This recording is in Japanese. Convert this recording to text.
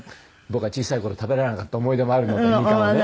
僕は小さい頃食べられなかった思い出もあるものでみかんはね。